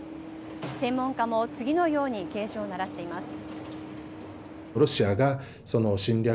専門家も次のように警鐘を鳴らしています。